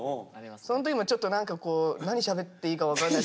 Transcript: そん時もちょっと何かこう何しゃべっていいか分かんない。